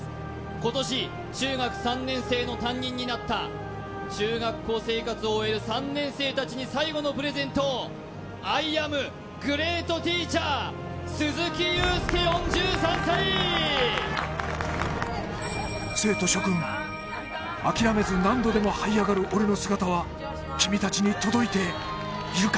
今年中学３年生の担任になった中学校生活を終える３年生達に最後のプレゼントをアイアムグレートティーチャー生徒諸君諦めず何度でもはい上がる俺の姿は君達に届いているか？